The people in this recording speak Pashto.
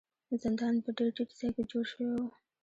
زندان په ډیر ټیټ ځای کې جوړ شوی و.